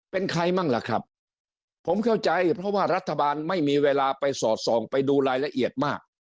เป็นใครบ้างล่ะครับผมเข้าใจเพราะว่ารัฐบาลไม่มีเวลาไปสอดส่องไปดูรายละเอียดมาก